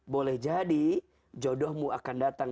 boleh jadi jodohmu akan datang